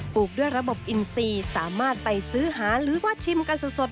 ลูกด้วยระบบอินซีสามารถไปซื้อหาหรือว่าชิมกันสด